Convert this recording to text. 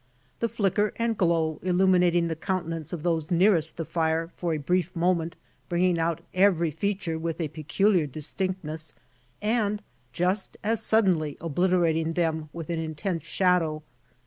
The flicker and glow illuminating the countenance of those nearest the fire for a brief moment, bringing out every feature with a peculiar distinctness and just as suddenly obliterating them with an intense shadow.